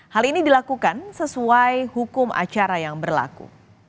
hal ini dilakukan sesuai hukum acara yang berlaku